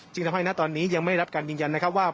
ทำให้ณตอนนี้ยังไม่ได้รับการยืนยันนะครับว่า